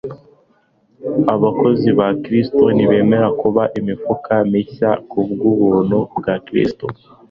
Abakozi ba Kristo nibemera kuba imifuka mishya kubw'ubuntu bwa Kristo,